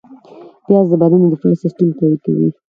پیاز د بدن دفاعي سیستم قوي کوي